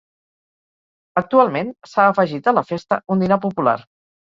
Actualment s'ha afegit a la festa un dinar popular.